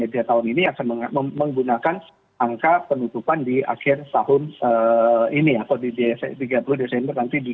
dia tahun ini akan menggunakan angka penutupan di akhir tahun ini atau di tiga puluh desember nanti dua ribu dua puluh